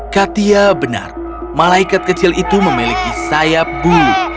katia benar malaikat kecil itu memiliki sayap bu